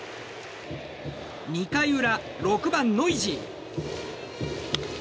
２回裏、６番ノイジー。